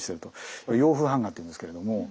これ洋風版画っていうんですけれども。